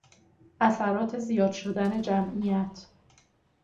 اثرات زیاد شدن جمعیت